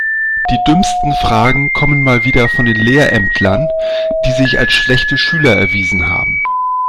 Die dümmsten Fragen kommen mal wieder von den Lehrämtlern, die sich als schlechte Schüler erwiesen haben.